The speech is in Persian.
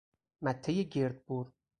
مته گردبر